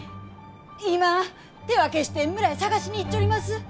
今手分けして村へ捜しに行っちょります！